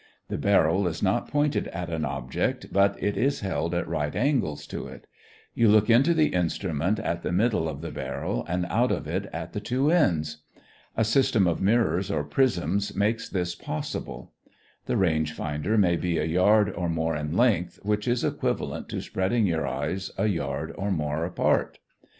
The barrel is not pointed at an object, but it is held at right angles to it. You look into the instrument at the middle of the barrel and out of it at the two ends. A system of mirrors or prisms makes this possible. The range finder may be a yard or more in length, which is equivalent to spreading your eyes a yard or more apart.